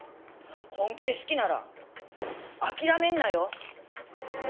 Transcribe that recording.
本気で好きなら諦めんなよ！